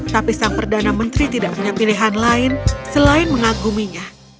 tapi sang perdana menteri tidak punya pilihan lain selain mengaguminya